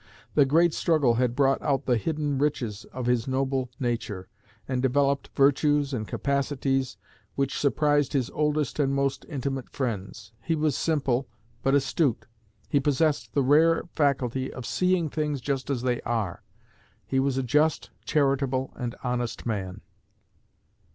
The great struggle had brought out the hidden riches of his noble nature, and developed virtues and capacities which surprised his oldest and most intimate friends. He was simple, but astute; he possessed the rare faculty of seeing things just as they are. He was a just, charitable, and honest man.